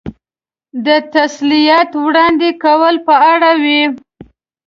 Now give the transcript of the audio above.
د تسلیت وړاندې کولو په اړه وې.